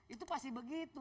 itu pasti begitu